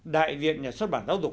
đại diện nhà xuất bản giáo dục